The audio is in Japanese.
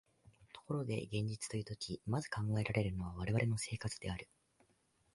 ところで現実というとき、まず考えられるのは我々の生活である。